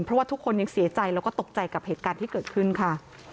เพราะว่าทุกคนยังเสียใจแล้วก็ตกใจกับเหตุการณ์ที่เกิดขึ้นค่ะ